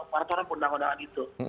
partoran pendang pendang itu